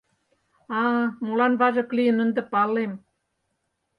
А-а, молан важык лийын, ынде палем.